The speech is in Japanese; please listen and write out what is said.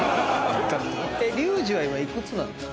リュウジは今幾つなんですか？